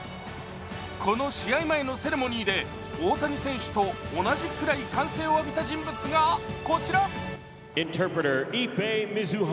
この試合前のセレモニーで、大谷選手と同じくらい歓声を浴びた人物が、こちら。